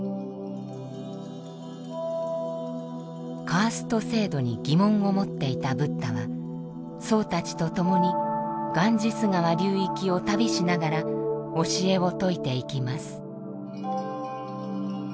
カースト制度に疑問を持っていたブッダは僧たちと共にガンジス川流域を旅しながら教えを説いていきます。